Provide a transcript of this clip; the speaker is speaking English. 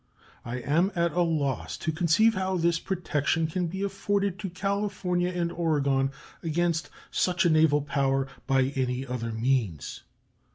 I am at a loss to conceive how this protection can be afforded to California and Oregon against such a naval power by any other means.